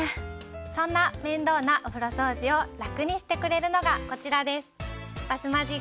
そんな面倒なお風呂掃除を楽にしてくれるのがこちらです。